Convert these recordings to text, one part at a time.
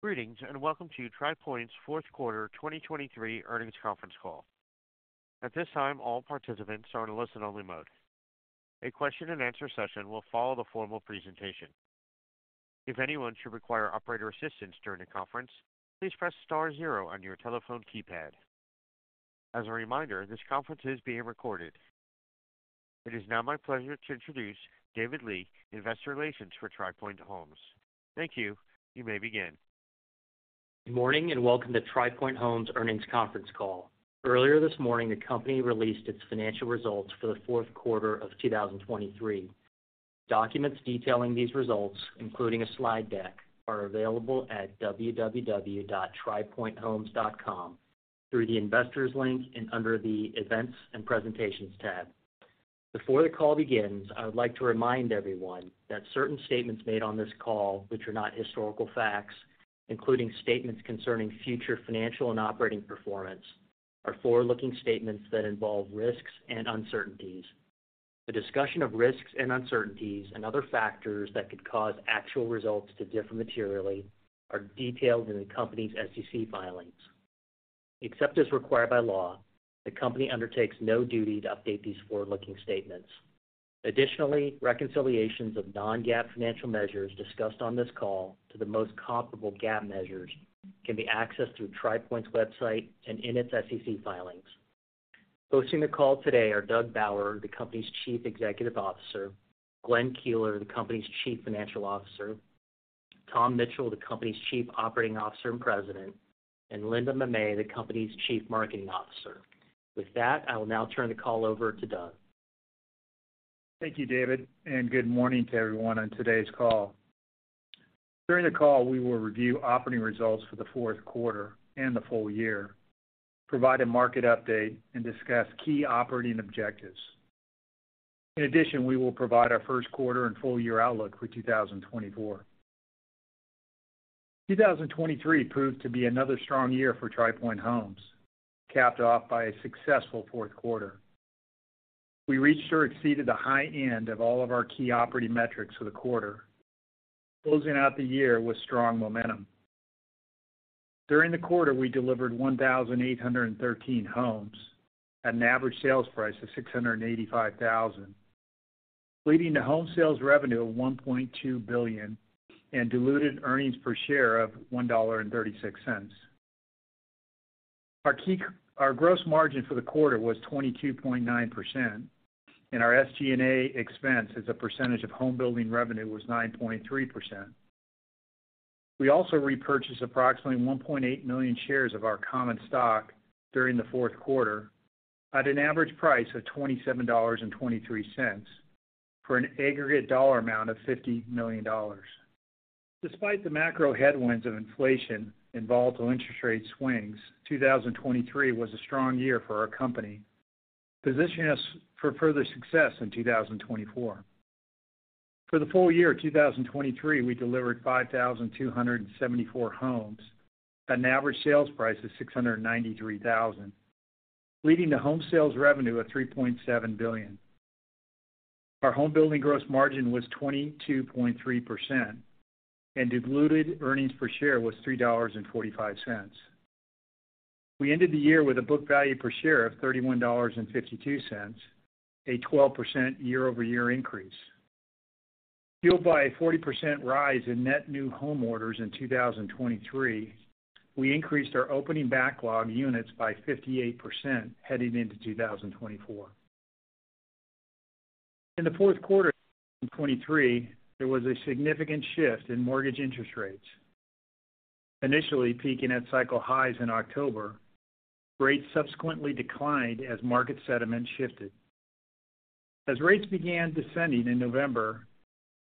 Greetings, and welcome to Tri Pointe Homes' fourth quarter 2023 earnings conference call. At this time, all participants are in a listen-only mode. A question-and-answer session will follow the formal presentation. If anyone should require operator assistance during the conference, please press star zero on your telephone keypad. As a reminder, this conference is being recorded. It is now my pleasure to introduce David Lee, Investor Relations for Tri Pointe Homes. Thank you. You may begin. Good morning, and welcome to Tri Pointe Homes earnings conference call. Earlier this morning, the company released its financial results for the fourth quarter of 2023. Documents detailing these results, including a slide deck, are available at www.tripointehomes.com through the Investors link and under the Events and Presentations tab. Before the call begins, I would like to remind everyone that certain statements made on this call, which are not historical facts, including statements concerning future financial and operating performance, are forward-looking statements that involve risks and uncertainties. A discussion of risks and uncertainties and other factors that could cause actual results to differ materially are detailed in the company's SEC filings. Except as required by law, the company undertakes no duty to update these forward-looking statements. Additionally, reconciliations of non-GAAP financial measures discussed on this call to the most comparable GAAP measures can be accessed through Tri Pointe's website and in its SEC filings. Hosting the call today are Doug Bauer, the company's Chief Executive Officer, Glenn Keeler, the company's Chief Financial Officer, Tom Mitchell, the company's Chief Operating Officer and President, and Linda Mamet, the company's Chief Marketing Officer. With that, I will now turn the call over to Doug. Thank you, David, and good morning to everyone on today's call. During the call, we will review operating results for the fourth quarter and the full year, provide a market update, and discuss key operating objectives. In addition, we will provide our first quarter and full-year outlook for 2024. 2023 proved to be another strong year for Tri Pointe Homes, capped off by a successful fourth quarter. We reached or exceeded the high end of all of our key operating metrics for the quarter, closing out the year with strong momentum. During the quarter, we delivered 1,813 homes at an average sales price of $685,000, leading to home sales revenue of $1.2 billion and diluted earnings per share of $1.36. Our gross margin for the quarter was 22.9%, and our SG&A expense as a percentage of home building revenue was 9.3%. We also repurchased approximately 1.8 million shares of our common stock during the fourth quarter at an average price of $27.23, for an aggregate dollar amount of $50 million. Despite the macro headwinds of inflation and volatile interest rate swings, 2023 was a strong year for our company, positioning us for further success in 2024. For the full year of 2023, we delivered 5,274 homes at an average sales price of $693,000, leading to home sales revenue of $3.7 billion. Our home building gross margin was 22.3%, and diluted earnings per share was $3.45. We ended the year with a book value per share of $31.52, a 12% year-over-year increase. Fueled by a 40% rise in net new home orders in 2023, we increased our opening backlog units by 58% heading into 2024. In the fourth quarter of 2023, there was a significant shift in mortgage interest rates. Initially peaking at cycle highs in October, rates subsequently declined as market sentiment shifted. As rates began descending in November,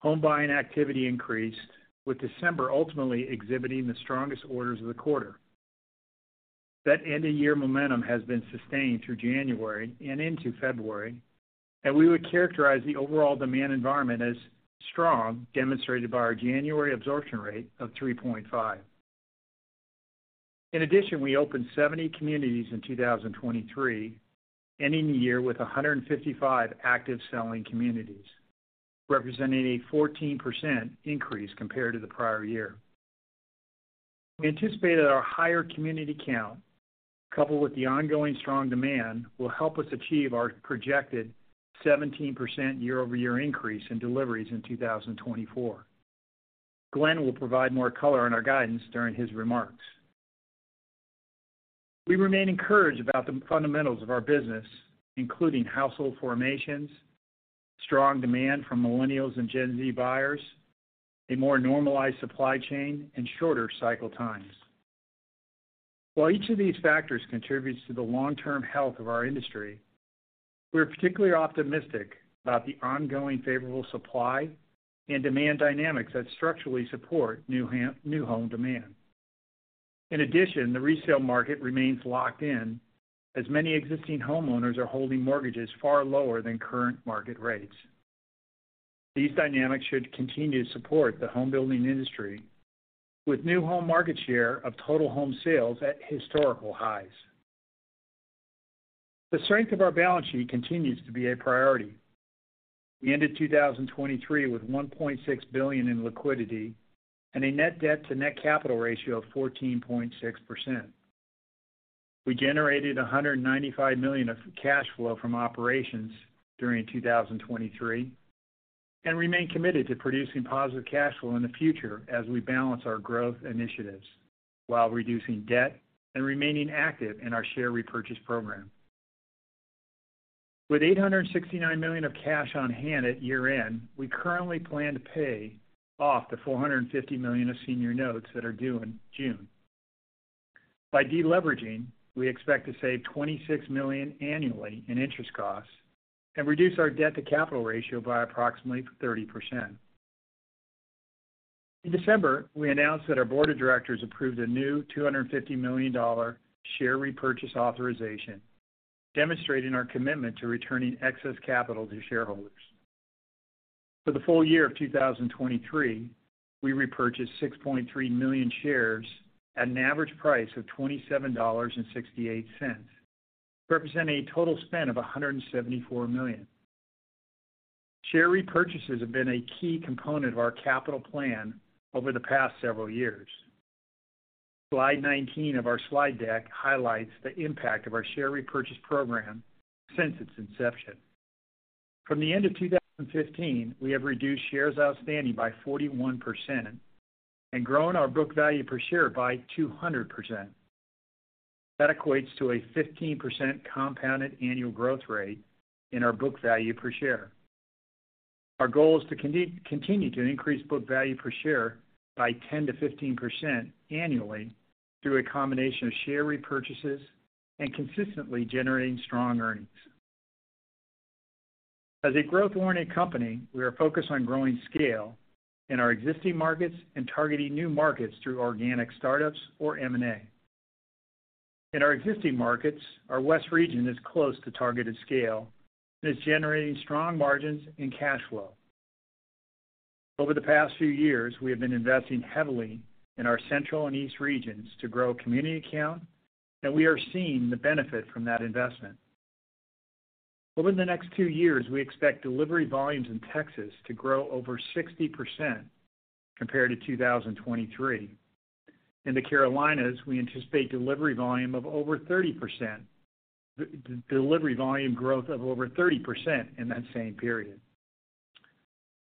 home buying activity increased, with December ultimately exhibiting the strongest orders of the quarter. That end-of-year momentum has been sustained through January and into February, and we would characterize the overall demand environment as strong, demonstrated by our January absorption rate of 3.5. In addition, we opened 70 communities in 2023, ending the year with 155 active selling communities, representing a 14% increase compared to the prior year. We anticipate that our higher community count, coupled with the ongoing strong demand, will help us achieve our projected 17% year-over-year increase in deliveries in 2024. Glenn will provide more color on our guidance during his remarks. We remain encouraged about the fundamentals of our business, including household formations, strong demand from Millennials and Gen Z buyers, a more normalized supply chain, and shorter cycle times. While each of these factors contributes to the long-term health of our industry, we're particularly optimistic about the ongoing favorable supply and demand dynamics that structurally support new home demand. In addition, the resale market remains locked in, as many existing homeowners are holding mortgages far lower than current market rates. These dynamics should continue to support the home building industry, with new home market share of total home sales at historical highs. The strength of our balance sheet continues to be a priority. We ended 2023 with $1.6 billion in liquidity and a net debt-to-net-capital ratio of 14.6%. We generated $195 million of cash flow from operations during 2023, and remain committed to producing positive cash flow in the future as we balance our growth initiatives, while reducing debt and remaining active in our share repurchase program. With $869 million of cash on hand at year-end, we currently plan to pay off the $450 million of senior notes that are due in June. By deleveraging, we expect to save $26 million annually in interest costs and reduce our debt-to-capital ratio by approximately 30%. In December, we announced that our board of directors approved a new $250 million share repurchase authorization, demonstrating our commitment to returning excess capital to shareholders. For the full year of 2023, we repurchased 6.3 million shares at an average price of $27.68, representing a total spend of $174 million. Share repurchases have been a key component of our capital plan over the past several years. Slide 19 of our slide deck highlights the impact of our share repurchase program since its inception. From the end of 2015, we have reduced shares outstanding by 41% and grown our book value per share by 200%. That equates to a 15% compounded annual growth rate in our book value per share. Our goal is to continue to increase book value per share by 10%-15% annually through a combination of share repurchases and consistently generating strong earnings. As a growth-oriented company, we are focused on growing scale in our existing markets and targeting new markets through organic startups or M&A. In our existing markets, our West Region is close to targeted scale and is generating strong margins and cash flow. Over the past few years, we have been investing heavily in our Central and East Regions to grow community count, and we are seeing the benefit from that investment. Over the next two years, we expect delivery volumes in Texas to grow over 60% compared to 2023. In the Carolinas, we anticipate delivery volume growth of over 30% in that same period.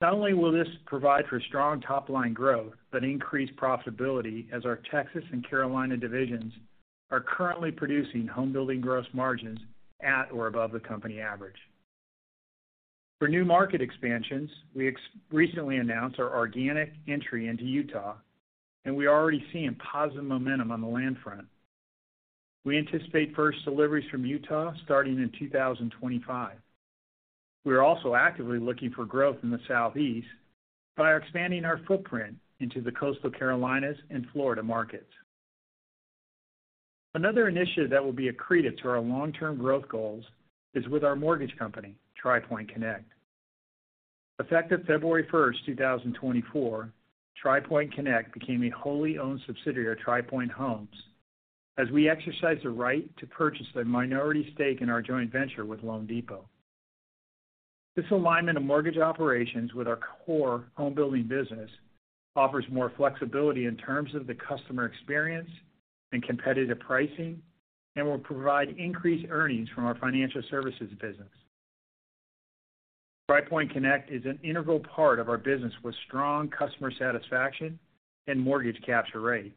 Not only will this provide for strong top-line growth, but increased profitability as our Texas and Carolina divisions are currently producing home building gross margins at or above the company average. For new market expansions, we recently announced our organic entry into Utah, and we are already seeing positive momentum on the land front. We anticipate first deliveries from Utah starting in 2025. We are also actively looking for growth in the Southeast by expanding our footprint into the Coastal Carolinas and Florida markets. Another initiative that will be accretive to our long-term growth goals is with our mortgage company, Tri Pointe Connect. Effective February 1, 2024, Tri Pointe Connect became a wholly-owned subsidiary of Tri Pointe Homes as we exercise the right to purchase a minority stake in our joint venture with loanDepot. This alignment of mortgage operations with our core home building business offers more flexibility in terms of the customer experience and competitive pricing, and will provide increased earnings from our financial services business. Tri Pointe Connect is an integral part of our business with strong customer satisfaction and mortgage capture rate.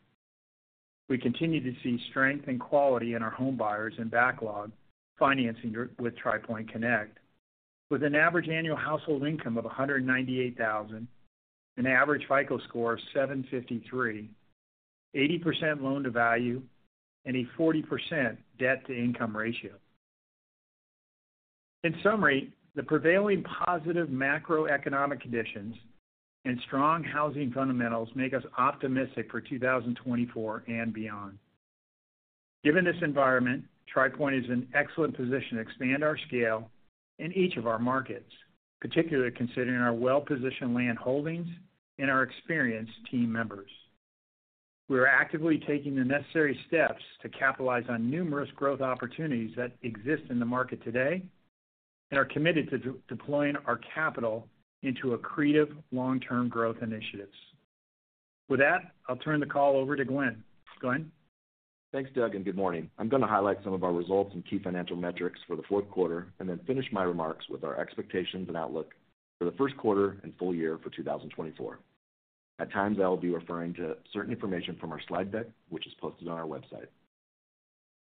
We continue to see strength and quality in our home buyers and backlog financing with Tri Pointe Connect, with an average annual household income of $198,000, an average FICO score of 753, 80% loan-to-value, and a 40% debt-to-income ratio. In summary, the prevailing positive macroeconomic conditions and strong housing fundamentals make us optimistic for 2024 and beyond. Given this environment, Tri Pointe is in an excellent position to expand our scale in each of our markets, particularly considering our well-positioned land holdings and our experienced team members. We are actively taking the necessary steps to capitalize on numerous growth opportunities that exist in the market today and are committed to deploying our capital into accretive long-term growth initiatives. With that, I'll turn the call over to Glenn. Glenn? Thanks, Doug, and good morning. I'm going to highlight some of our results and key financial metrics for the fourth quarter, and then finish my remarks with our expectations and outlook for the first quarter and full year for 2024. At times, I'll be referring to certain information from our slide deck, which is posted on our website.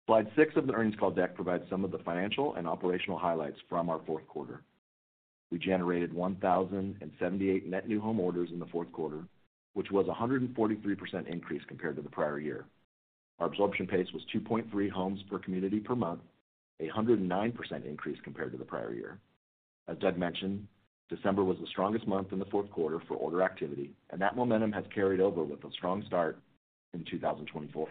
Slide six of the earnings call deck provides some of the financial and operational highlights from our fourth quarter. We generated 1,078 net new home orders in the fourth quarter, which was a 143% increase compared to the prior year. Our absorption pace was 2.3 homes per community per month, a 109% increase compared to the prior year. As Doug mentioned, December was the strongest month in the fourth quarter for order activity, and that momentum has carried over with a strong start in 2024.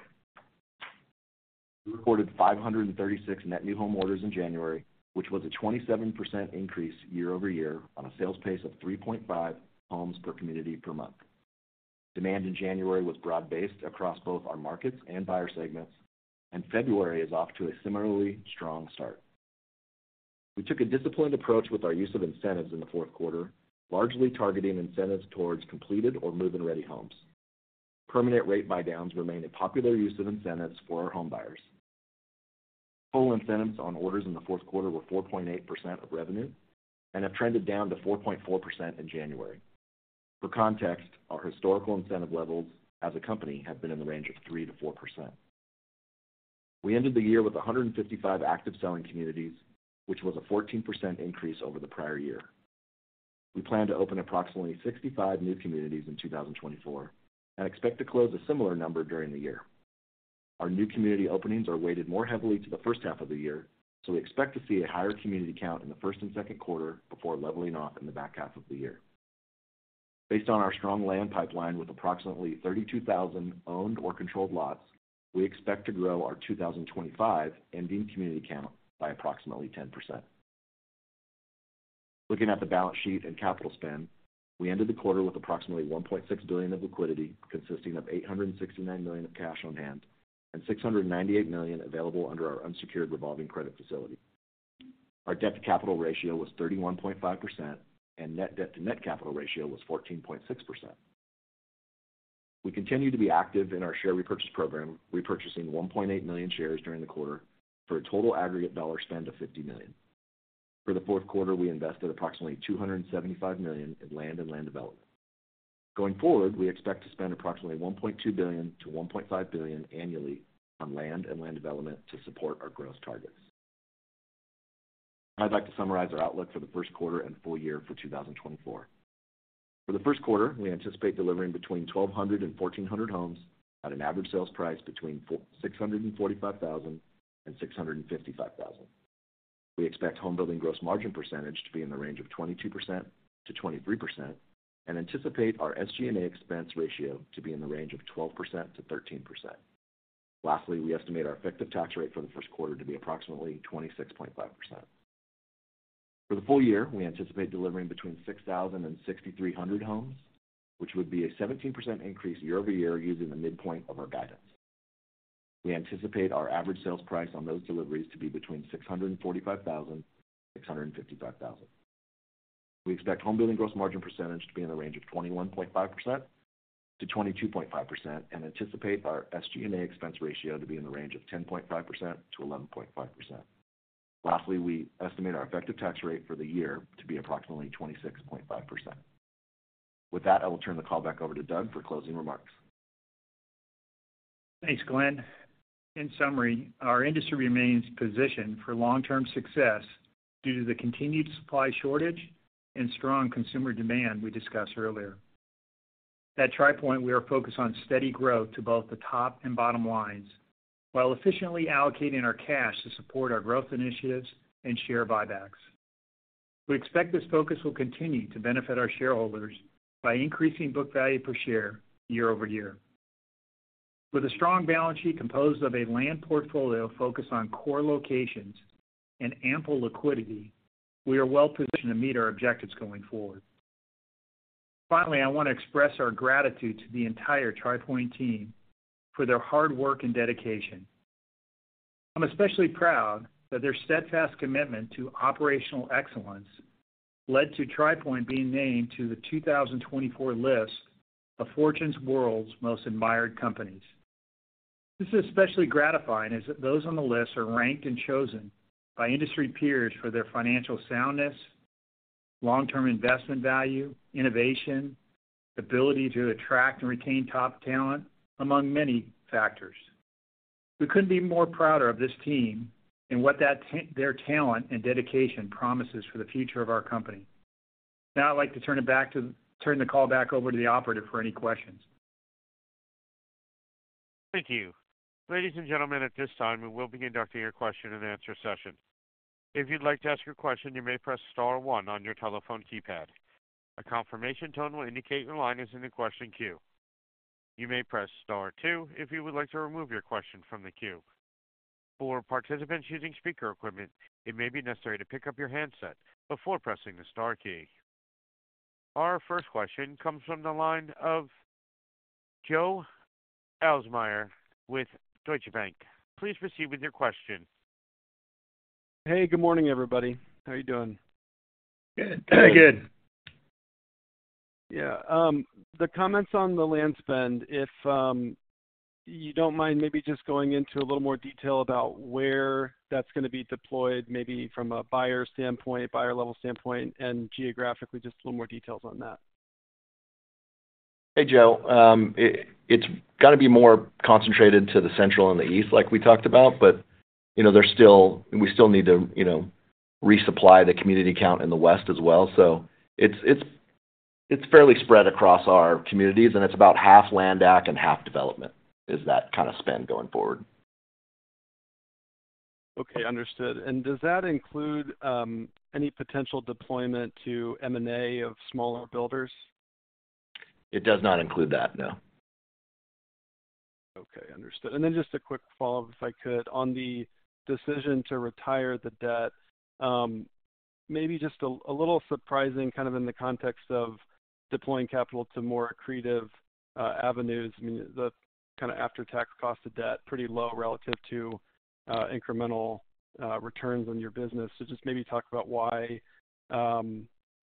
We recorded 536 net new home orders in January, which was a 27% increase year-over-year on a sales pace of 3.5 homes per community per month. Demand in January was broad-based across both our markets and buyer segments, and February is off to a similarly strong start. We took a disciplined approach with our use of incentives in the fourth quarter, largely targeting incentives towards completed or move-in-ready homes. Permanent rate buydowns remain a popular use of incentives for our homebuyers. Total incentives on orders in the fourth quarter were 4.8% of revenue and have trended down to 4.4% in January. For context, our historical incentive levels as a company have been in the range of 3%-4%. We ended the year with 155 active selling communities, which was a 14% increase over the prior year. We plan to open approximately 65 new communities in 2024 and expect to close a similar number during the year. Our new community openings are weighted more heavily to the first half of the year, so we expect to see a higher community count in the first and second quarter before leveling off in the back half of the year. Based on our strong land pipeline, with approximately 32,000 owned or controlled lots, we expect to grow our 2025 ending community count by approximately 10%. Looking at the balance sheet and capital spend, we ended the quarter with approximately $1.6 billion of liquidity, consisting of $869 million of cash on hand and $698 million available under our unsecured revolving credit facility. Our debt-to-capital-ratio was 31.5%, and net debt to net capital ratio was 14.6%. We continue to be active in our share repurchase program, repurchasing 1.8 million shares during the quarter for a total aggregate dollar spend of $50 million. For the fourth quarter, we invested approximately $275 million in land and land development. Going forward, we expect to spend approximately $1.2 billion-$1.5 billion annually on land and land development to support our growth targets. I'd like to summarize our outlook for the first quarter and full year for 2024. For the first quarter, we anticipate delivering between 1,200 and 1,400 homes at an average sales price between $465,000 and $655,000. We expect home building gross margin percentage to be in the range of 22%-23% and anticipate our SG&A expense ratio to be in the range of 12%-13%. Lastly, we estimate our effective tax rate for the first quarter to be approximately 26.5%. For the full year, we anticipate delivering between 6,000 and 6,300 homes, which would be a 17% increase year-over-year, using the midpoint of our guidance. We anticipate our average sales price on those deliveries to be between $645,000 and $655,000. We expect home building gross margin percentage to be in the range of 21.5%-22.5%, and anticipate our SG&A expense ratio to be in the range of 10.5%-11.5%. Lastly, we estimate our effective tax rate for the year to be approximately 26.5%. With that, I will turn the call back over to Doug for closing remarks. Thanks, Glenn. In summary, our industry remains positioned for long-term success due to the continued supply shortage and strong consumer demand we discussed earlier. At Tri Pointe, we are focused on steady growth to both the top and bottom lines, while efficiently allocating our cash to support our growth initiatives and share buybacks. We expect this focus will continue to benefit our shareholders by increasing book value per share year over year. With a strong balance sheet composed of a land portfolio focused on core locations and ample liquidity, we are well positioned to meet our objectives going forward. Finally, I want to express our gratitude to the entire Tri Pointe team for their hard work and dedication. I'm especially proud that their steadfast commitment to operational excellence led to Tri Pointe being named to the 2024 list of Fortune's World's Most Admired Companies. This is especially gratifying, as those on the list are ranked and chosen by industry peers for their financial soundness, long-term investment value, innovation, ability to attract and retain top talent, among many factors. We couldn't be more prouder of this team and what their talent and dedication promises for the future of our company. Now, I'd like to turn the call back over to the operator for any questions. Thank you. Ladies and gentlemen, at this time, we will be conducting your question and answer session. If you'd like to ask your question, you may press star one on your telephone keypad. A confirmation tone will indicate your line is in the question queue. You may press star two if you would like to remove your question from the queue. For participants using speaker equipment, it may be necessary to pick up your handset before pressing the star key. Our first question comes from the line of Joe Ahlersmeyer with Deutsche Bank. Please proceed with your question. Hey, good morning, everybody. How are you doing? Good. Very good. Yeah, the comments on the land spend, if you don't mind, maybe just going into a little more detail about where that's going to be deployed, maybe from a buyer standpoint, buyer level standpoint, and geographically, just a little more details on that. Hey, Joe. It's gonna be more concentrated to the Central and the East, like we talked about. But, you know, there's still, We still need to, you know, resupply the community count in the West as well. So it's fairly spread across our communities, and it's about half land acq and half development, is that kind of spend going forward? Okay, understood. And does that include any potential deployment to M&A of smaller builders? It does not include that, no. Okay, understood. And then just a quick follow-up, if I could. On the decision to retire the debt, maybe just a little surprising, kind of in the context of deploying capital to more accretive avenues. I mean, the kinda after-tax cost of debt, pretty low relative to incremental returns on your business. So just maybe talk about why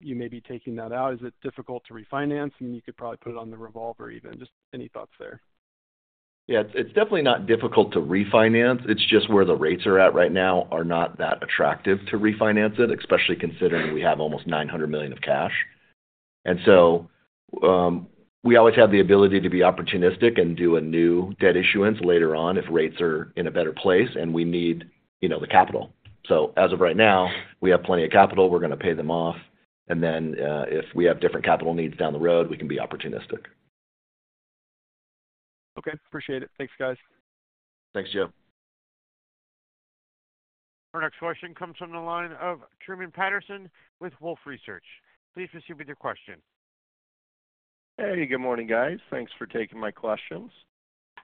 you may be taking that out. Is it difficult to refinance? I mean, you could probably put it on the revolver even. Just any thoughts there? Yeah, it's, it's definitely not difficult to refinance. It's just where the rates are at right now are not that attractive to refinance it, especially considering we have almost $900 million of cash. And so, we always have the ability to be opportunistic and do a new debt issuance later on if rates are in a better place and we need, you know, the capital. So as of right now, we have plenty of capital. We're gonna pay them off, and then, if we have different capital needs down the road, we can be opportunistic. Okay, appreciate it. Thanks, guys. Thanks, Joe. Our next question comes from the line of Truman Patterson with Wolfe Research. Please proceed with your question. Hey, good morning, guys. Thanks for taking my questions.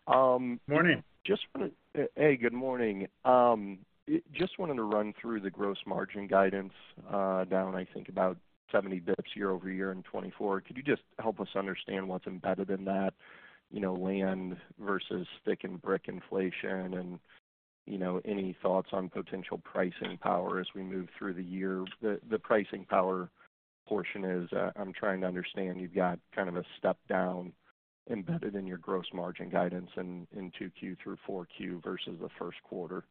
Morning! Just wanna, hey, good morning. Just wanted to run through the gross margin guidance, down, I think, about 70 basis points year-over-year in 2024. Could you just help us understand what's embedded in that? You know, land versus stick-and-brick inflation and, you know, any thoughts on potential pricing power as we move through the year? The pricing power portion is, I'm trying to understand. You've got kind of a step down embedded in your gross margin guidance in 2Q through 4Q versus the first quarter.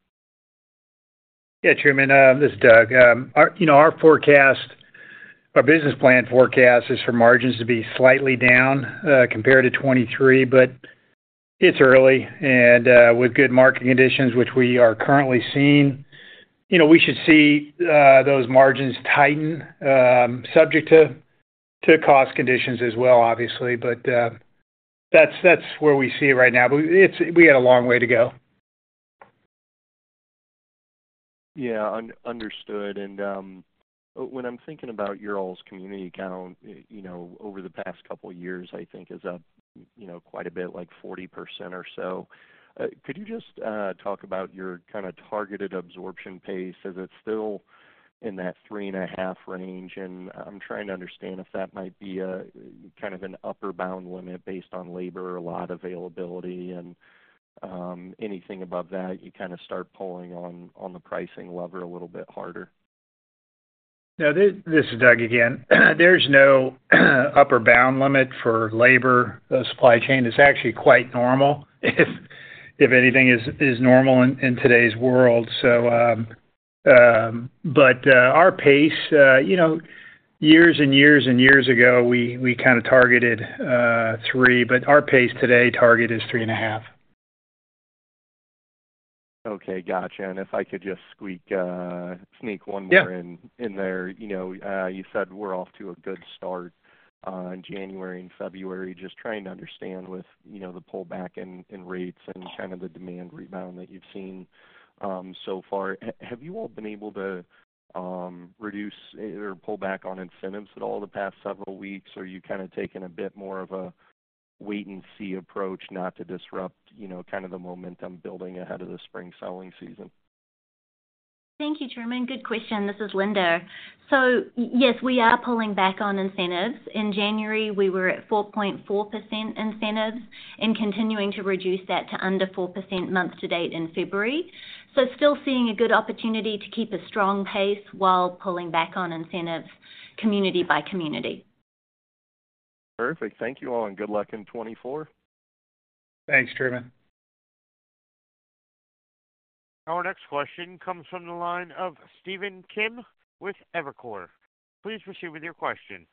Yeah, Truman, this is Doug. Our, you know, our forecast, our business plan forecast is for margins to be slightly down compared to 2023, but it's early, and with good market conditions, which we are currently seeing, you know, we should see those margins tighten, subject to cost conditions as well, obviously. But that's where we see it right now. But it's. We got a long way to go. Yeah, understood. And when I'm thinking about your all's community count, you know, over the past couple of years, I think is up, you know, quite a bit, like 40% or so. Could you just talk about your kinda targeted absorption pace? Is it still in that 3.5 range? And I'm trying to understand if that might be a kind of an upper bound limit based on labor or lot availability, and anything above that, you kinda start pulling on the pricing lever a little bit harder. Yeah, this is Doug again. There's no upper bound limit for labor. The supply chain is actually quite normal, if anything is normal in today's world. So, but our pace, you know, years and years and years ago, we kind a targeted three, but our pace today target is 3.5. Okay, gotcha. And if I could just sneak one more- Yeah You know, you said we're off to a good start in January and February. Just trying to understand with, you know, the pullback in rates and kinda the demand rebound that you've seen so far. Have you all been able to reduce or pull back on incentives at all in the past several weeks, or are you kinda taking a bit more of a wait-and-see approach not to disrupt, you know, kind of the momentum building ahead of the spring selling season? Thank you, Truman. Good question. This is Linda. So yes, we are pulling back on incentives. In January, we were at 4.4% incentives and continuing to reduce that to under 4% month to date in February. So still seeing a good opportunity to keep a strong pace while pulling back on incentives, community by community. Perfect. Thank you all, and good luck in 2024. Thanks, Truman. Our next question comes from the line of Stephen Kim with Evercore. Please proceed with your question.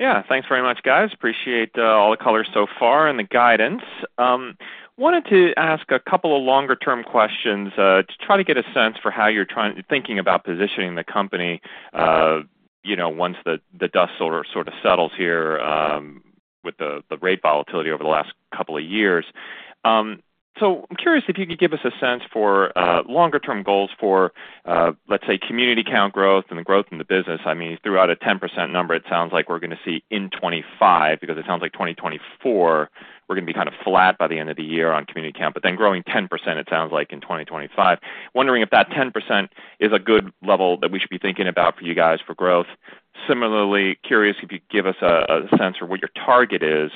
Yeah. Thanks very much, guys. Appreciate all the color so far and the guidance. Wanted to ask a couple of longer-term questions, to try to get a sense for how you're thinking about positioning the company, you know, once the dust sort of settles here, with the rate volatility over the last couple of years. So I'm curious if you could give us a sense for longer-term goals for, let's say, community count growth and the growth in the business. I mean, you threw out a 10% number, it sounds like we're gonna see in 2025, because it sounds like 2024, we're gonna be kind of flat by the end of the year on community count, but then growing 10%, it sounds like, in 2025. Wondering if that 10% is a good level that we should be thinking about for you guys for growth. Similarly, curious if you could give us a sense for what your target is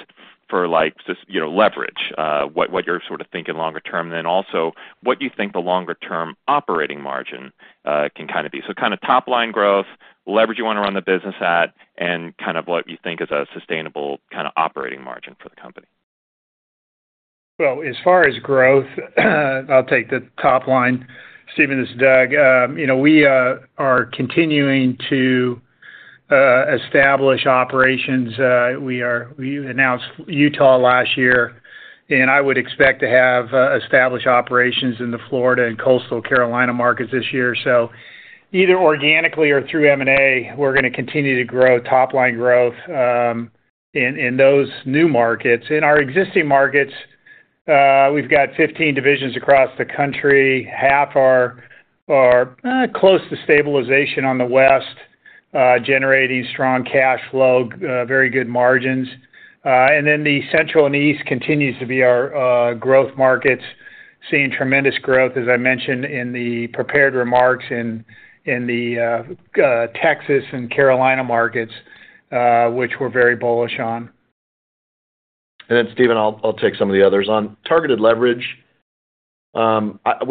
for, like, just, you know, leverage, what you're sort of thinking longer term. And then also, what do you think the longer-term operating margin can kind of be? So kind of top-line growth, leverage you wanna run the business at, and kind of what you think is a sustainable kinda operating margin for the company. Well, as far as growth, I'll take the top line. Stephen, this is Doug. You know, we are continuing to establish operations. We announced Utah last year, and I would expect to have established operations in the Florida and Coastal Carolinas markets this year. So either organically or through M&A, we're gonna continue to grow top-line growth in those new markets. In our existing markets. We've got 15 divisions across the country. Half are close to stabilization on the West, generating strong cash flow, very good margins. And then the Central and the East continues to be our growth markets, seeing tremendous growth, as I mentioned in the prepared remarks in the Texas and Carolinas markets, which we're very bullish on. And then, Stephen, I'll take some of the others. On targeted leverage, we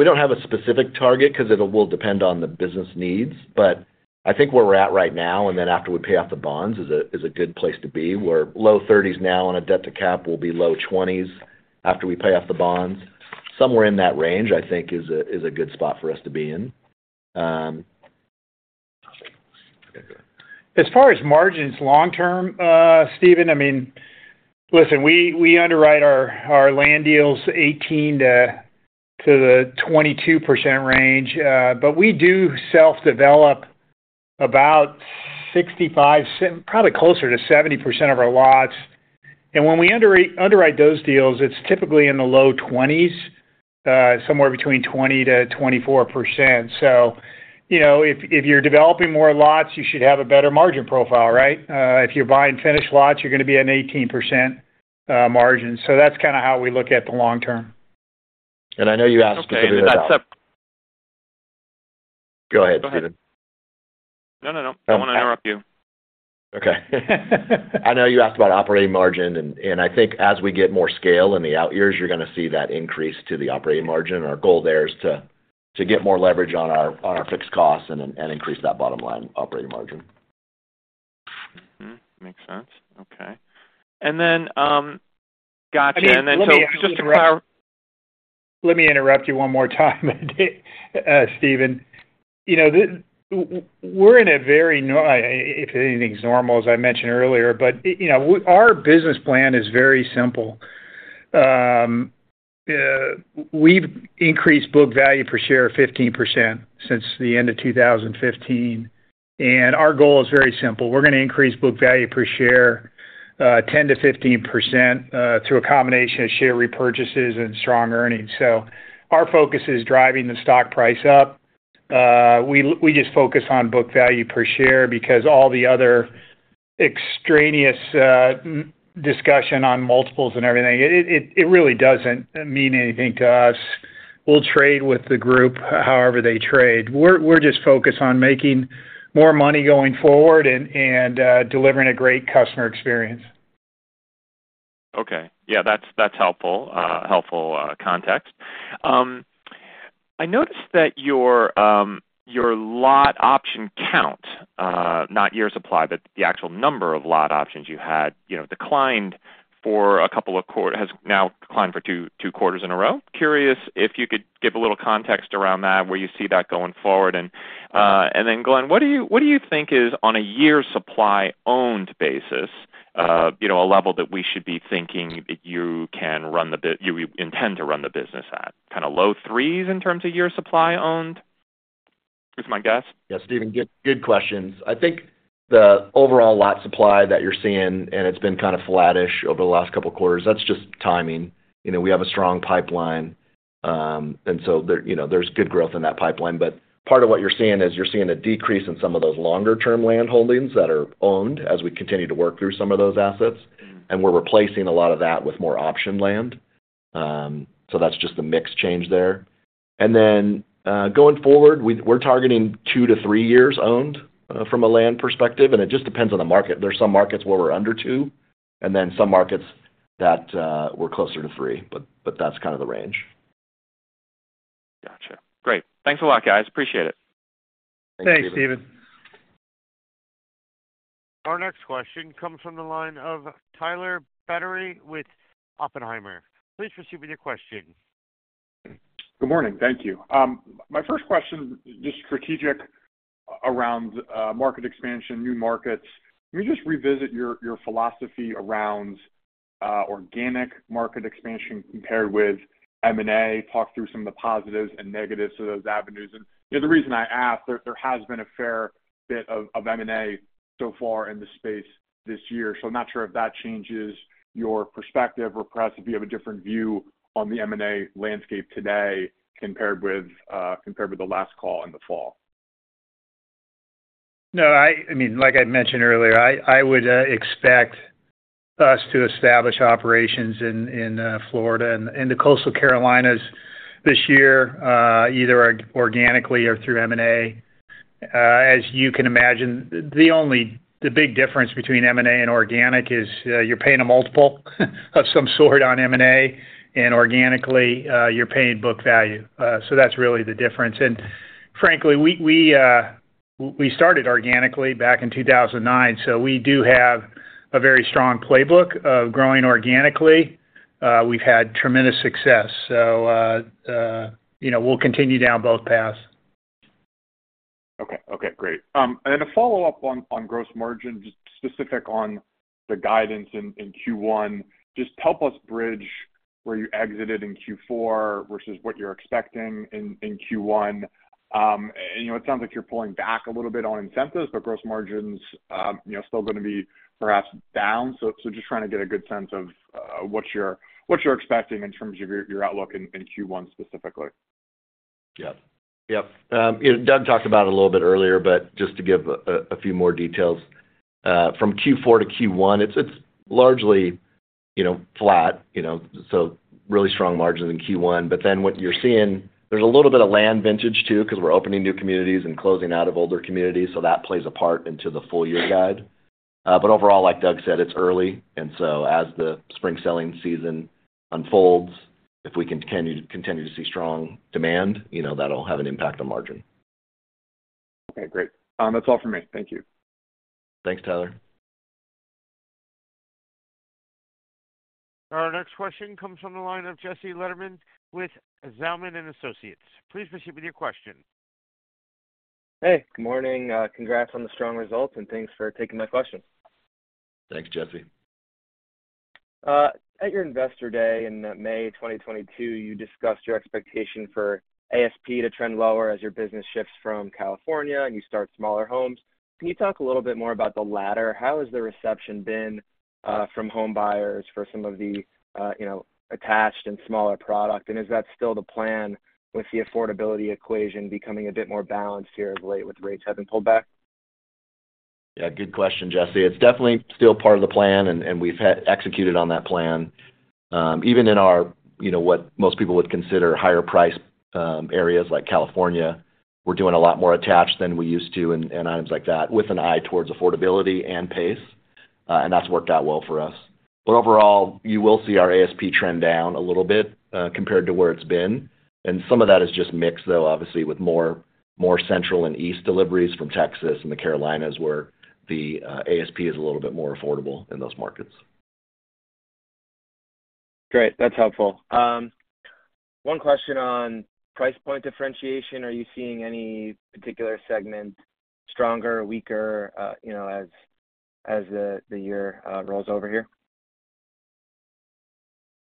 don't have a specific target because it will depend on the business needs. But I think where we're at right now, and then after we pay off the bonds, is a good place to be. We're low 30s now, on a debt-to-cap, we'll be low 20s after we pay off the bonds. Somewhere in that range, I think, is a good spot for us to be in. As far as margins long term, Steven, I mean, listen, we, we underwrite our, our land deals 18%-22% range. But we do self-develop about 65%, probably closer to 70% of our lots. And when we underwrite those deals, it's typically in the low 20s, somewhere between 20%-24%. So you know, if, if you're developing more lots, you should have a better margin profile, right? If you're buying finished lots, you're going to be at an 18%, margin. So that's kind of how we look at the long term. And I know you asked about- Okay, that's a- Go ahead, Stephen. Go ahead. No, no, no, I don't want to interrupt you. Okay. I know you asked about operating margin, and I think as we get more scale in the out years, you're going to see that increase to the operating margin. Our goal there is to get more leverage on our fixed costs and then increase that bottom line operating margin. Mm-hmm. Makes sense. Okay. And then, Gotcha. And then so just to clarify- Let me interrupt you one more time, Stephen. You know, we're in a very... If anything's normal, as I mentioned earlier, but you know, our business plan is very simple. We've increased book value per share 15% since the end of 2015, and our goal is very simple. We're going to increase book value per share 10%-15% through a combination of share repurchases and strong earnings. So our focus is driving the stock price up. We just focus on book value per share because all the other extraneous discussion on multiples and everything, it really doesn't mean anything to us. We'll trade with the group, however they trade. We're just focused on making more money going forward and delivering a great customer experience. Okay. Yeah, that's helpful context. I noticed that your lot option count, not year supply, but the actual number of lot options you had, you know, has now declined for two quarters in a row. Curious if you could give a little context around that, where you see that going forward? And then, Glenn, what do you think is, on a year's supply owned basis, you know, a level that we should be thinking that you can run the business at? Kind of low threes in terms of year supply owned, is my guess. Yeah, Steven, good, good questions. I think the overall lot supply that you're seeing, and it's been kind of flattish over the last couple of quarters, that's just timing. You know, we have a strong pipeline. And so there, you know, there's good growth in that pipeline. But part of what you're seeing is, you're seeing a decrease in some of those longer term land holdings that are owned as we continue to work through some of those assets, and we're replacing a lot of that with more option land. So that's just the mix change there. And then, going forward, we're targeting two to three years owned, from a land perspective, and it just depends on the market. There are some markets where we're under two, and then some markets that, we're closer to three, but that's kind of the range. Gotcha. Great. Thanks a lot, guys. Appreciate it. Thanks, Steven. Our next question comes from the line of Tyler Batory with Oppenheimer. Please proceed with your question. Good morning. Thank you. My first question, just strategic around market expansion, new markets. Can you just revisit your philosophy around organic market expansion compared with M&A? Talk through some of the positives and negatives to those avenues. You know, the reason I ask, there has been a fair bit of M&A so far in this space this year, so I'm not sure if that changes your perspective, or perhaps if you have a different view on the M&A landscape today compared with the last call in the fall. No, I mean, like I mentioned earlier, I would expect us to establish operations in Florida and the Coastal Carolinas this year, either organically or through M&A. As you can imagine, the only big difference between M&A and organic is, you're paying a multiple of some sort on M&A, and organically, you're paying book value. So that's really the difference. And frankly, we started organically back in 2009, so we do have a very strong playbook of growing organically. We've had tremendous success, so you know, we'll continue down both paths. Okay. Okay, great. And a follow-up on gross margin, just specific on the guidance in Q1. Just help us bridge where you exited in Q4 versus what you're expecting in Q1. And, you know, it sounds like you're pulling back a little bit on incentives, but gross margins, you know, still going to be perhaps down. So just trying to get a good sense of what you're expecting in terms of your outlook in Q1 specifically. Yep, yep. You know, Doug talked about it a little bit earlier, but just to give a few more details from Q4 to Q1, it's largely you know, flat, you know, so really strong margin in Q1. But then what you're seeing, there's a little bit of land vintage, too, 'cause we're opening new communities and closing out of older communities, so that plays a part into the full year guide. But overall, like Doug said, it's early, and so as the spring selling season unfolds, if we continue to see strong demand, you know, that'll have an impact on margin. Okay, great. That's all for me. Thank you. Thanks, Tyler. Our next question comes from the line of Jesse Lederman with Zelman & Associates. Please proceed with your question. Hey, good morning. Congrats on the strong results, and thanks for taking my question. Thanks, Jesse. At your Investor Day in May 2022, you discussed your expectation for ASP to trend lower as your business shifts from California, and you start smaller homes. Can you talk a little bit more about the latter? How has the reception been from home buyers for some of the, you know, attached and smaller product? And is that still the plan with the affordability equation becoming a bit more balanced here of late with rates having pulled back? Yeah, good question, Jesse. It's definitely still part of the plan, and we've executed on that plan. Even in our, you know, what most people would consider higher price areas like California, we're doing a lot more attached than we used to and items like that, with an eye towards affordability and pace, and that's worked out well for us. But overall, you will see our ASP trend down a little bit compared to where it's been, and some of that is just mix, though, obviously, with more central and east deliveries from Texas and the Carolinas, where the ASP is a little bit more affordable in those markets. Great. That's helpful. One question on price point differentiation. Are you seeing any particular segment stronger or weaker, you know, as the year rolls over here?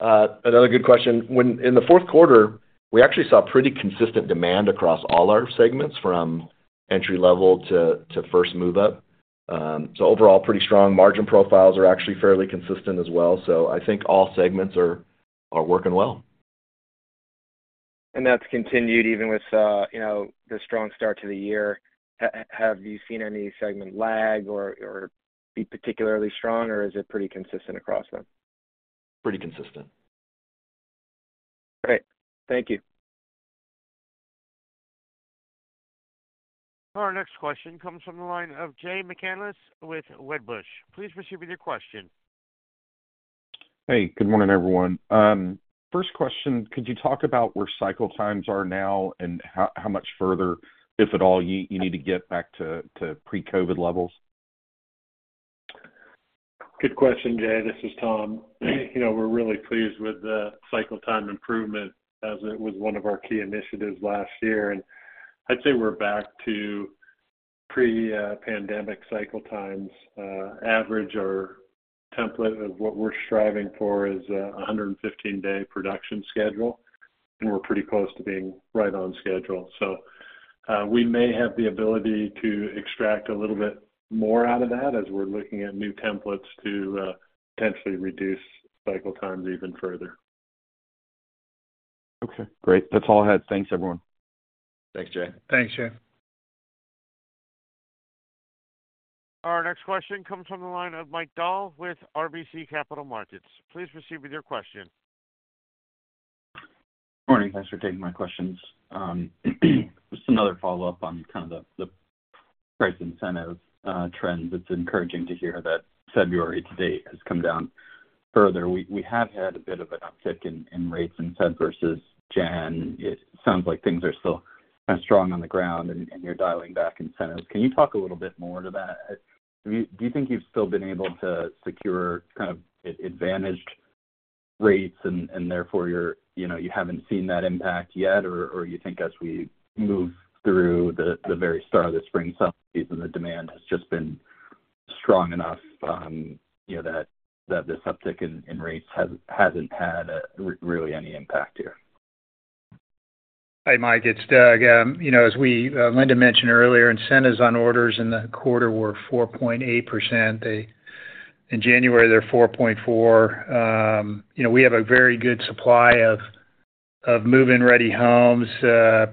Another good question. In the fourth quarter, we actually saw pretty consistent demand across all our segments, from entry-level to first move up. So overall, pretty strong. Margin profiles are actually fairly consistent as well, so I think all segments are working well. That's continued even with, you know, the strong start to the year. Have you seen any segment lag or, or be particularly strong, or is it pretty consistent across them? Pretty consistent. Great. Thank you. Our next question comes from the line of Jay McCanless with Wedbush. Please proceed with your question. Hey, good morning, everyone. First question, could you talk about where cycle times are now and how much further, if at all, you need to get back to pre-COVID levels? Good question, Jay. This is Tom. Hey. You know, we're really pleased with the cycle time improvement, as it was one of our key initiatives last year, and I'd say we're back to pre-pandemic cycle times. Average or template of what we're striving for is a 115-day production schedule, and we're pretty close to being right on schedule. So, we may have the ability to extract a little bit more out of that as we're looking at new templates to potentially reduce cycle times even further. Okay, great. That's all I had. Thanks, everyone. Thanks, Jay. Thanks, Jay. Our next question comes from the line of Mike Dahl with RBC Capital Markets. Please proceed with your question. Morning. Thanks for taking my questions. Just another follow-up on kind of the, the price incentive, trends. It's encouraging to hear that February to date has come down further. We, we have had a bit of an uptick in, in rates in February versus January. It sounds like things are still kind of strong on the ground and, and you're dialing back incentives. Can you talk a little bit more to that? Do you, do you think you've still been able to secure kind of advantaged rates and, and therefore, you're, you know, you haven't seen that impact yet? Or, or you think as we move through the, the very start of the spring selling season, the demand has just been strong enough, you know, that, that this uptick in, in rates hasn't had, really any impact here? Hey, Mike, it's Doug. You know, as we, Linda mentioned earlier, incentives on orders in the quarter were 4.8%. In January, they're 4.4. You know, we have a very good supply of move-in-ready homes,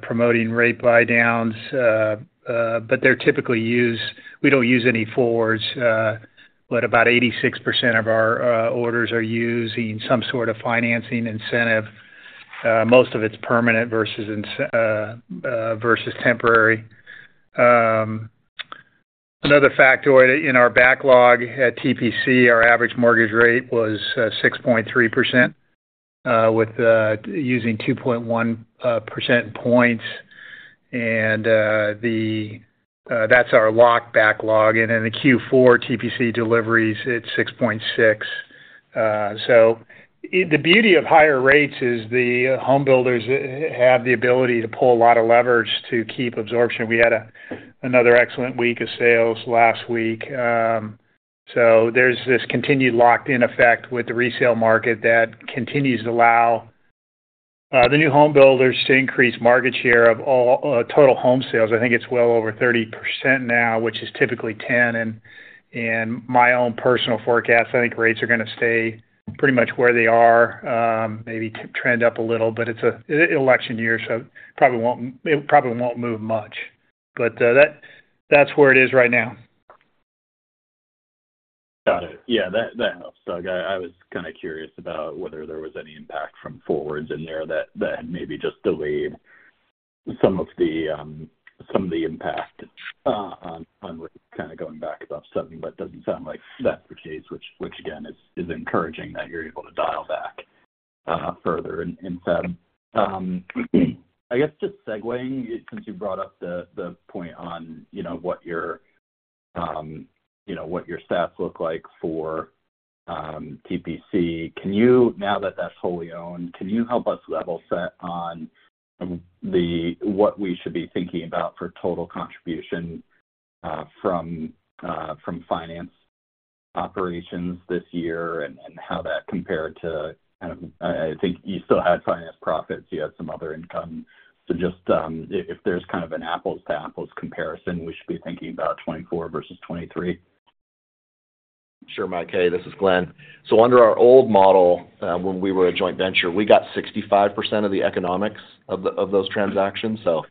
promoting rate buydowns, but they're typically used. We don't use any forwards, but about 86% of our orders are using some sort of financing incentive. Most of it's permanent versus temporary. Another factor in our backlog at TPC, our average mortgage rate was 6.3%, using 2.1 percentage points, and that's our locked backlog. In the Q4 TPC deliveries, it's 6.6. So the beauty of higher rates is the homebuilders have the ability to pull a lot of leverage to keep absorption. We had another excellent week of sales last week. So there's this continued locked-in effect with the resale market that continues to allow the new homebuilders to increase market share of all total home sales. I think it's well over 30% now, which is typically 10. And my own personal forecast, I think rates are going to stay pretty much where they are, maybe trend up a little, but it's an election year, so it probably won't move much. But that's where it is right now. ... Got it. Yeah, that helps, Doug. I was kind of curious about whether there was any impact from forwards in there that had maybe just delayed some of the impact on kind of going back above seven. But doesn't sound like that's the case, which, again, is encouraging that you're able to dial back further instead. I guess just segueing, since you brought up the point on, you know, what your stats look like for TPC. Now that that's wholly owned, can you help us level set on what we should be thinking about for total contribution from finance operations this year and how that compared to kind of, I think you still had finance profits, you had some other income. So just, if there's kind of an apples-to-apples comparison, we should be thinking about 2024 versus 2023? Sure, Mike. Hey, this is Glenn. So under our old model, when we were a joint venture, we got 65% of the economics of the, of those transactions. So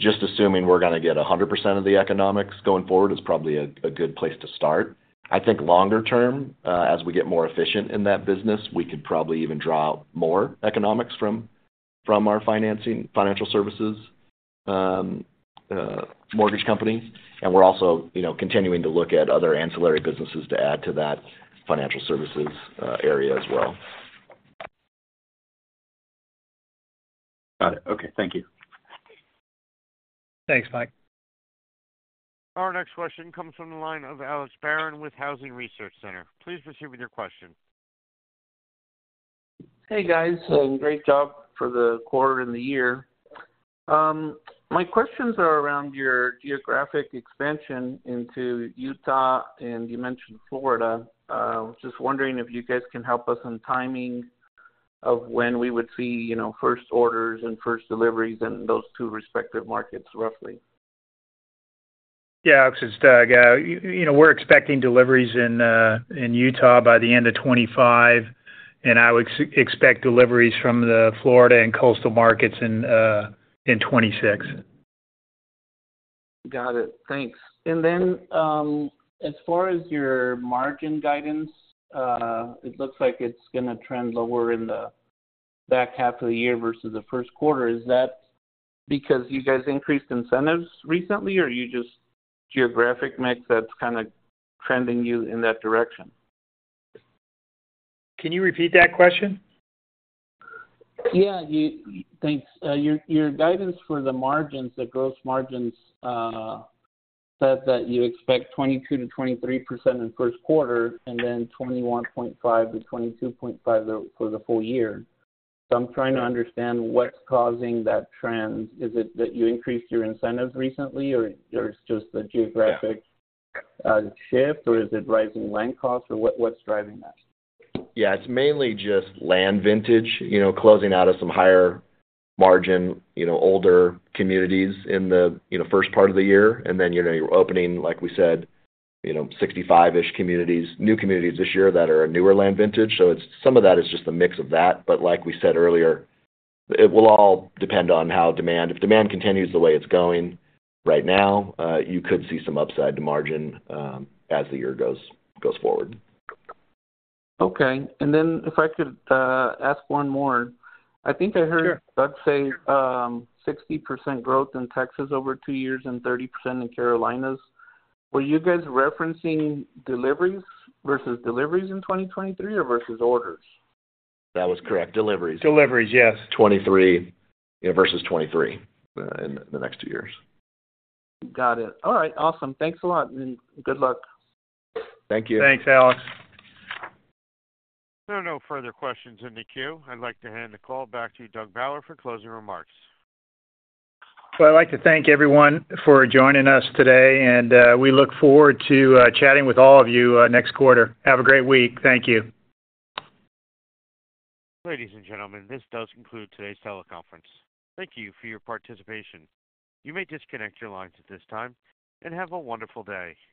just assuming we're gonna get 100% of the economics going forward is probably a good place to start. I think longer term, as we get more efficient in that business, we could probably even draw out more economics from our financing, financial services, mortgage company. And we're also, you know, continuing to look at other ancillary businesses to add to that financial services area as well. Got it. Okay. Thank you. Thanks, Mike. Our next question comes from the line of Alex Barron with Housing Research Center. Please proceed with your question. Hey, guys, great job for the quarter and the year. My questions are around your geographic expansion into Utah, and you mentioned Florida. I was just wondering if you guys can help us on timing of when we would see, you know, first orders and first deliveries in those two respective markets, roughly. Yeah. This is Doug. You know, we're expecting deliveries in Utah by the end of 2025, and I would expect deliveries from the Florida and coastal markets in 2026. Got it. Thanks. And then, as far as your margin guidance, it looks like it's gonna trend lower in the back half of the year versus the first quarter. Is that because you guys increased incentives recently, or you just geographic mix that's kind of trending you in that direction? Can you repeat that question? Yeah, thanks. Your guidance for the margins, the gross margins, said that you expect 22%-23% in the first quarter and then 21.5%-22.5% for the full year. So I'm trying to understand what's causing that trend. Is it that you increased your incentives recently, or it's just the geographic shift, or is it rising land costs, or what's driving that? Yeah, it's mainly just land vintage. You know, closing out of some higher margin, you know, older communities in the, you know, first part of the year. And then, you know, you're opening, like we said, you know, 65-ish communities, new communities this year that are a newer land vintage. So it's some of that is just a mix of that. But like we said earlier, it will all depend on how demand, if demand continues the way it's going right now, you could see some upside to margin as the year goes forward. Okay. Then if I could ask one more. Sure. I think I heard, let's say, 60% growth in Texas over two years and 30% in Carolinas. Were you guys referencing deliveries, versus deliveries in 2023 or versus orders? That was correct. Deliveries. Deliveries, yes. 23, yeah, versus 23 in the next two years. Got it. All right. Awesome. Thanks a lot, and good luck. Thank you. Thanks, Alex. There are no further questions in the queue. I'd like to hand the call back to you, Doug Bauer, for closing remarks. I'd like to thank everyone for joining us today, and we look forward to chatting with all of you next quarter. Have a great week. Thank you. Ladies and gentlemen, this does conclude today's teleconference. Thank you for your participation. You may disconnect your lines at this time, and have a wonderful day.